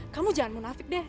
kamu jangan munafik deh